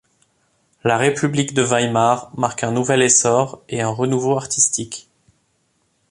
La République de Weimar marque un nouvel essor et un renouveau artistique.